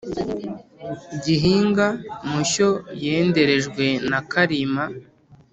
gihinga mushyo yenderejwe nakarima.